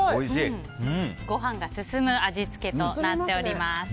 ご飯が進む味付けとなっております。